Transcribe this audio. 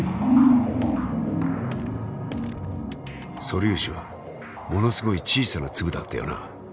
素粒子はものすごい小さな粒だったよな。